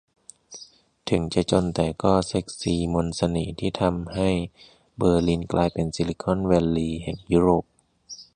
'ถึงจะจนแต่ก็เซ็กซี' มนต์เสน่ห์ที่กำลังทำให้เบอร์ลินกลายเป็น 'ซิลิคอนแวลลีย์' แห่งยุโรป